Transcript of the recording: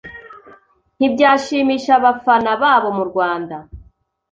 ntibyashimisha abafana babo mu Rwanda